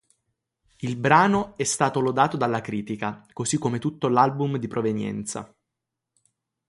Il brano è stato lodato dalla critica, così come tutto l'album di provenienza.